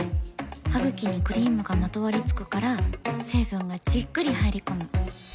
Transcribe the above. ハグキにクリームがまとわりつくから成分がじっくり入り込む。